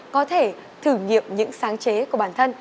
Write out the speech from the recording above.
có thể thử nghiệm những sáng chế của bản thân